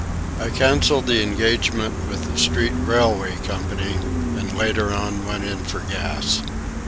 I canceled the engagement with the street railway company, and later on went in for gas.